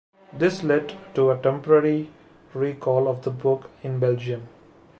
This led to a temporary recall of the book in Belgium.